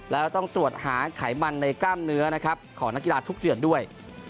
แล้วต้องตรวจหาไขมันในกล้ามเนื้อนะครับของนักกีฬาทุกเดือนด้วย